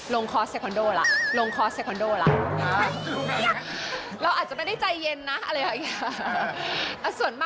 ลงคอสเซควอนโดล่ะ